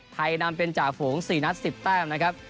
นำเป็นจ่าฝูง๔นัด๑๐แต้มนะครับ